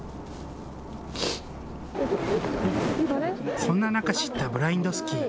そんな中、知ったブラインドスキー。